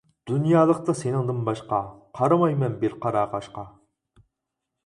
دۇنيالىقتا سېنىڭدىن باشقا، قارىمايمەن بىر قارا قاشقا.